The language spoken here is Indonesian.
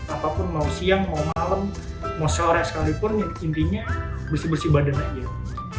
apapun mau siang mau malam mau sore sekalipun intinya bersih bersih badan aja